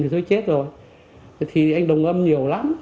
thế thì anh đồng âm nhiều lắm